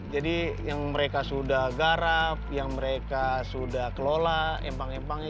jadi yang mereka sudah garap yang mereka sudah kelola empang empangnya